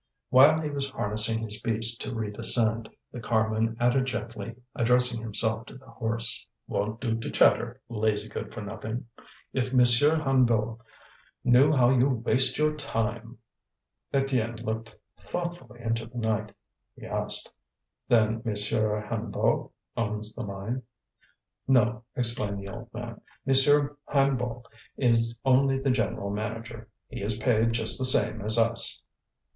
While he was harnessing his beast to re descend, the carman added gently, addressing himself to the horse: "Won't do to chatter, lazy good for nothing! If Monsieur Hennebeau knew how you waste your time!" Étienne looked thoughtfully into the night. He asked: "Then Monsieur Hennebeau owns the mine?" "No," explained the old man, "Monsieur Hennebeau is only the general manager; he is paid just the same as us."